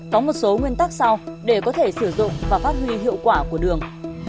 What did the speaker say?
có một số nguyên tắc sau để có thể sử dụng và phát huy hiệu quả của đường